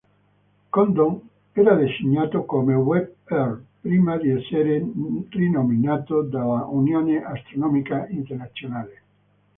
Condon era designato come Webb R, prima di essere rinominato dalla Unione Astronomica Internazionale.